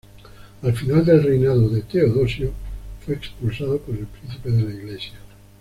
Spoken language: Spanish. Al final del reinado de Teodosio, fue expulsado por el príncipe de la Iglesia.